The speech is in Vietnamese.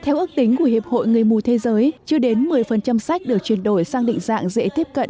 theo ước tính của hiệp hội người mù thế giới chưa đến một mươi sách được chuyển đổi sang định dạng dễ tiếp cận